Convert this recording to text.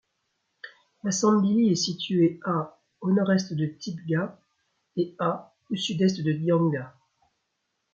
Bassambily est situé à au Nord-Est de Tibga et à au Sud-Est de Dianga.